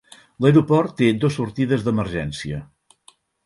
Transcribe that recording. L'aeroport té dos sortides d'emergència.